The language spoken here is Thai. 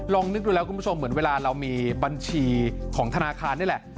นึกดูแล้วคุณผู้ชมเหมือนเวลาเรามีบัญชีของธนาคารนี่แหละ